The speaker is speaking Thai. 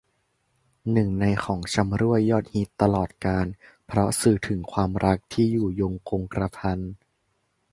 หนึ่งในของชำร่วยยอดฮิตตลอดกาล เพราะสื่อถึงความรักที่อยู่ยงคงกระพัน